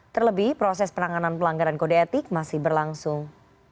terlebih proses penanganan pelanggaran kode etik masih berlangsung